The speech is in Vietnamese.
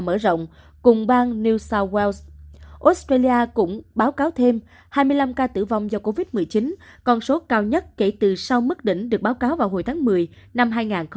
australia cũng báo cáo thêm hai mươi năm ca tử vong do covid một mươi chín con số cao nhất kể từ sau mức đỉnh được báo cáo vào hồi tháng một mươi năm hai nghìn hai mươi một